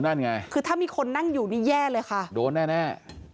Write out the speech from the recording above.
นั่นไงคือถ้ามีคนนั่งอยู่นี่แย่เลยค่ะโดนแน่